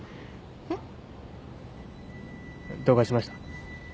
えっ？どうかしました？